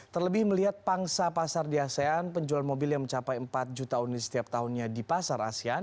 terlebih melihat pangsa pasar di asean penjual mobil yang mencapai empat juta unit setiap tahunnya di pasar asean